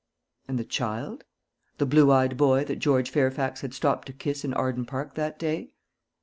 And the child? the blue eyed boy that George Fairfax had stopped to kiss in Arden Park that day?